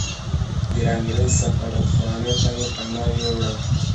د انګریز سفارتخانې ته مې پناه یووړه.